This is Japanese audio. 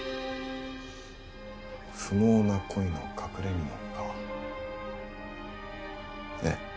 「不毛な恋の隠れみの」かええ